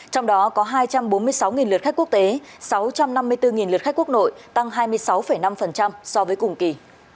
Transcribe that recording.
trong đó có hai trăm bốn mươi sáu lượt khách quốc tế sáu trăm năm mươi bốn lượt khách quốc nội tăng hai mươi sáu năm so với cùng kỳ